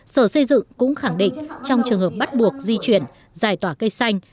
sở xây dựng cũng khẳng định trong trường hợp bắt buộc di chuyển giải tỏa cây xanh